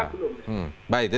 kalau ketua bunga belum